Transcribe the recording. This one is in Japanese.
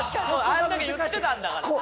あんだけ言ってたんだから。